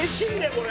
これ。